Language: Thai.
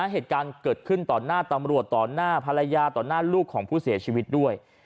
เหตุการณ์เกิดขึ้นต่อหน้าตำรวจต่อหน้าภรรยาต่อหน้าลูกของผู้เสียชีวิตด้วย